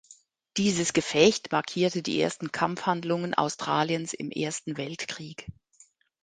Dieses Gefecht markierte die ersten Kampfhandlungen Australiens im Ersten Weltkrieg.